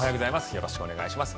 よろしくお願いします。